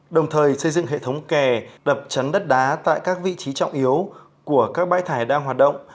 đồng thời xây dựng hệ thống kè đập chắn đất đá tại các vị trí trọng yếu của các bãi thải đang hoạt động